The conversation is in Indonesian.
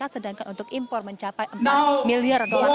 sedangkan untuk impor mencapai empat miliar dolar